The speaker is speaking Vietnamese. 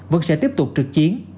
vẫn sẽ tiếp tục trực chiến